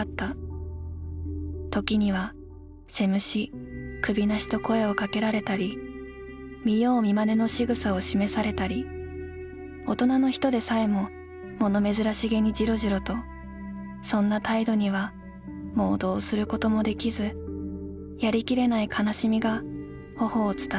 ときには“せむし”“首なし”と声をかけられたり見よう見まねのしぐさを示されたり大人の人でさえももの珍しげにじろじろとそんな態度にはもうどうすることも出来ずやり切れない悲しみがほほを伝った。